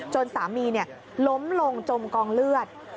สามีล้มลงจมกองเลือด